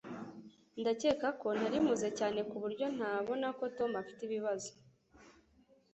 Ndakeka ko nari mpuze cyane kuburyo ntabona ko Tom afite ibibazo.